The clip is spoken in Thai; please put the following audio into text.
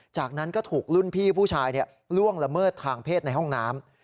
จากนั้นก็ถูกรุ่นพี่ผู้ชายล่วงละเมิดทางเพศในห้องน้ำ